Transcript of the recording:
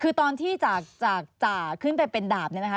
คือตอนที่จากจ่าขึ้นไปเป็นดาบเนี่ยนะคะ